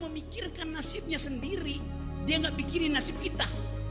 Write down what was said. memikirkan nasibnya sendiri dia gak pikirin nasib kita